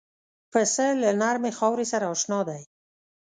پسه له نرمې خاورې سره اشنا دی.